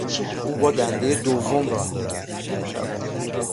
او با دندهی دوم راند و رفت.